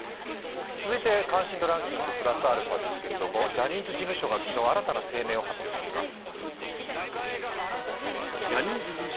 続いて関心度ランキング＋アルファですがジャニーズ事務所が昨日、新たな声明を発表しています。